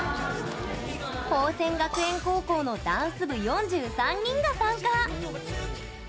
宝仙学園高校のダンス部４３人が参加！